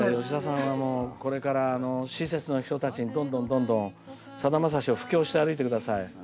吉田さんはこれから施設の人たちにどんどんどんどんさだまさしを布教して歩いて下さい。